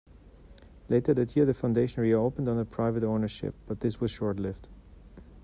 Later that year, the foundation reopened under private ownership, but this was short-lived.